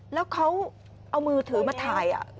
แล้วเขาเอามือถือมาถ่าย